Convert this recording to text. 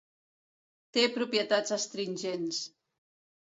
Té propietats astringents.